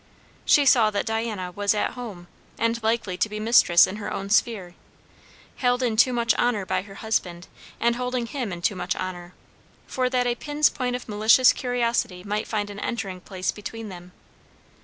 She saw that Diana was at home, and likely to be mistress in her own sphere; held in too much honour by her husband, and holding him in too much honour, for that a pin's point of malicious curiosity might find an entering place between them.